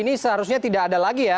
ini seharusnya tidak ada lagi ya